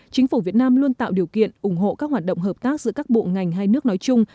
chính phủ việt nam luôn tạo điều kiện ủng hộ các hoạt động hợp tác giữa các bộ ngành hai nước nói chung